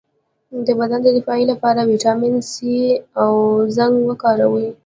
د بدن د دفاع لپاره ویټامین سي او زنک وکاروئ